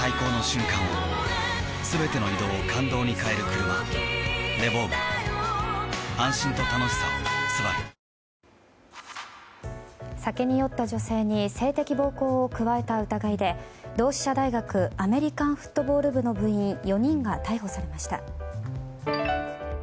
ここまでワシントン支局長の酒に酔った女性に性的暴行を加えた疑いで同志社大学アメリカンフットボール部の部員４人が逮捕されました。